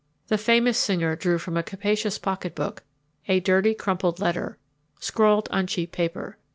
The famous singer drew from a capacious pocketbook a dirty, crumpled letter, scrawled on cheap paper.